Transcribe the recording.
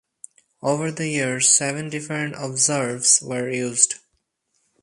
Over the years, seven different obverses were used.